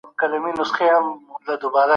تاسو باید په خپلو دندو کي پوره دقت وکړئ.